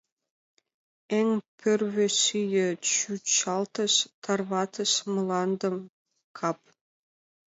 Эн пӧрвӧ ший чӱчалтыш Тарватыш мландым — кап!